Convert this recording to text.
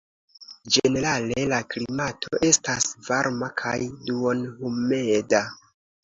Ĝenerale la klimato estas varma kaj duonhumeda.